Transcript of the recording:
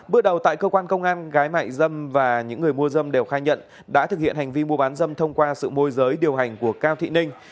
bước đầu tại cơ quan công an gái mại dâm và những người mua dâm đều khai nhận đã thực hiện hành vi mua bán dâm thông qua sự môi giới điều hành của cao thị ninh